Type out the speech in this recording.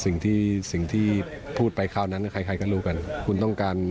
งานนี้พี่ฮิวโก้จะว่ายังไง